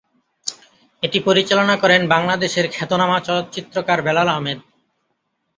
এটি পরিচালনা করেন বাংলাদেশের খ্যাতনামা চলচ্চিত্রকার বেলাল আহমেদ।